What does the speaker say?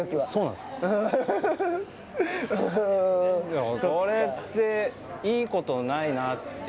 でも、それっていいことないなって。